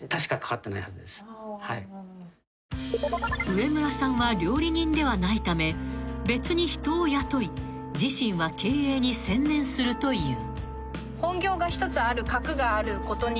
［上村さんは料理人ではないため別に人を雇い自身は経営に専念するという］